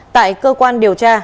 tại cơ quan điều tra